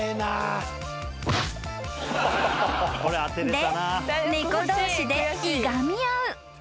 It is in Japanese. ［で猫同士でいがみ合う］